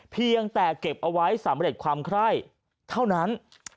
เพียงแต่เก็บเอาไว้สำเร็จความไคร่เท่านั้น